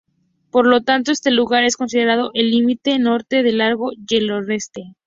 Por lo tanto, este lugar es considerado el límite norte del lago Yellowstone.